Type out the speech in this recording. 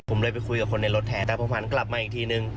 ผมเลยไปคุยกับคนในรถแทนแต่ผมหันกลับมาอีกทีนึง